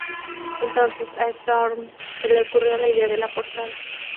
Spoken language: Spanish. Entonces a Storm se le ocurrió la idea de la portada.